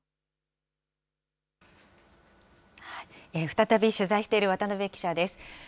再び、取材している渡辺記者です。